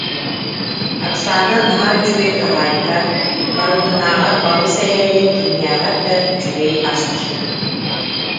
Оксана наһаа үчүгэй хаһаайка, барыбытынааҕар балыс эрээри кимнээҕэр да үчүгэй асчыт